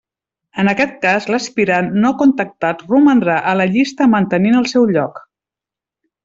En aquest cas l'aspirant no contactat romandrà a la llista mantenint el seu lloc.